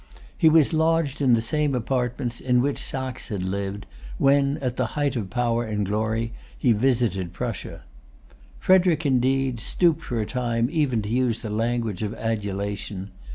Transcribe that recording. He was lodged in the same apartments in which Saxe had lived, when, at the height of power and glory, he visited Prussia. Frederic, indeed, stooped for a time even to use the language of adulation.